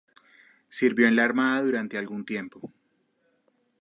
Sirvió en la armada durante algún tiempo.